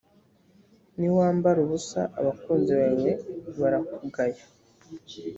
niwambara ubusa abakunzi bawe barakugaya.